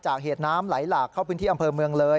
เหตุน้ำไหลหลากเข้าพื้นที่อำเภอเมืองเลย